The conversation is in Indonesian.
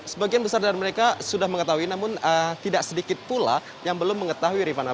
sebagian besar dari mereka sudah mengetahui namun tidak sedikit pula yang belum mengetahui rifana